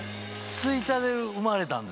吹田で生まれたんですか？